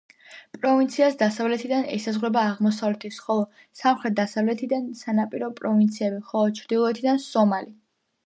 პროვინციას დასავლეთიდან ესაზღვრება აღმოსავლეთის, ხოლო სამხრეთ-დასავლეთიდან სანაპირო პროვინციები, ხოლო ჩრდილოეთიდან სომალი.